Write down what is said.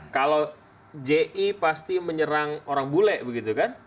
kalau ji pasti menyerang orang bule begitu kan